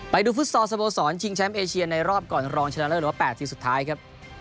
ไปดูฟุตซอสสโบสรจิงแชมป์เอเชียนในรอบก่อนรองชะละ๘ทีสุดท้ายครับ